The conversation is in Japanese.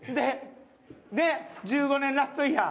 で、１５年ラストイヤー。